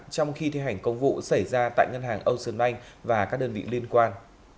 trong khi thi hành công vụ xảy ra tại ngân hàng ocean bank và các đơn vị liên quan